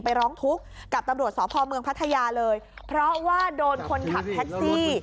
ร้องทุกข์กับตำรวจสพเมืองพัทยาเลยเพราะว่าโดนคนขับแท็กซี่